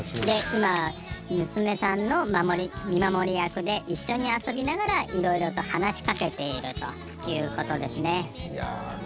で今は娘さんの見守り役で一緒に遊びながらいろいろと話しかけているということですね。